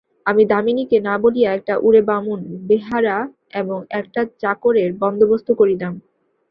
আমি দামিনীকে না বলিয়া একটা উড়েবামুন, বেহারা এবং একটা চাকরের বন্দোবস্ত করিলাম।